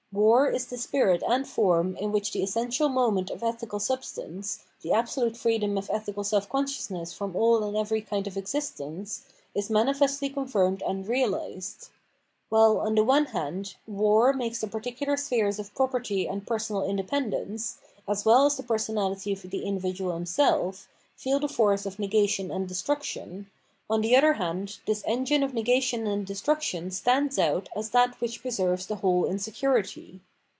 War is the spirit and form in which the essential moment of ethical substance, the absolute freedom of ethical self consciousness from aU and every kind of existence, is manifestly confirmed and reahsed. While, on the one hand, war makes the particular spheres of property and personal independence, as well as the personality of the individuah himself, feel the force of negation and destruction, on the other hand this engine of negation and destruction stands out as that which preserves the whole in security.